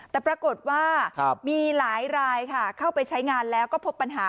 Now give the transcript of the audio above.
แต่ปรากฏว่ามีหลายรายค่ะเข้าไปใช้งานแล้วก็พบปัญหา